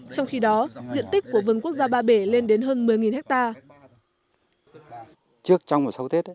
trong khi đó diện tích của vườn quốc gia ba bể lên đến hơn một mươi hectare